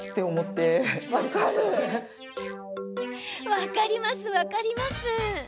分かります、分かります！